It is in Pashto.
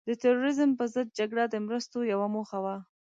د تروریزم په ضد جګړه د مرستو یوه موخه وه.